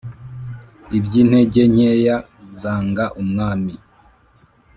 iby'intege nkeya zanga umwami!